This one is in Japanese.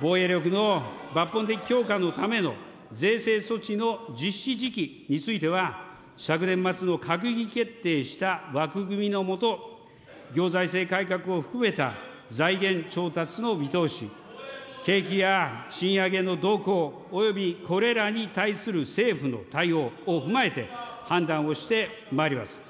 防衛力の抜本的強化のための税制措置の実施時期については、昨年末の閣議決定した枠組みの下、行財政改革を含めた財源調達の見通し、景気や賃上げの動向およびこれらに対する政府の対応を踏まえて判断をしてまいります。